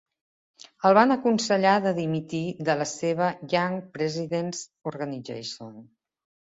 El van aconsellar de dimitir de la seva Young Presidents Organization.